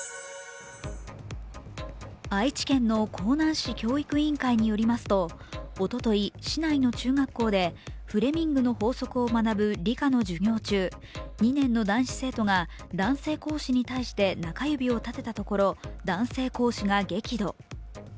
愛知県の江南市教育委員会によりますとおととい、市内の中学校でフレミングの法則を学ぶ理科の授業中、２年の男子生徒が男性講師に対して中指を立てたところ男性講師が激怒。